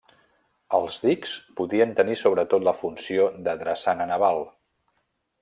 Els dics podien tenir sobretot la funció de drassana naval.